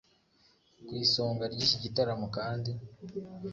Ku isonga ry’iki gitaramo kandi